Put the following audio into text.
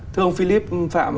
thưa ông philip phạm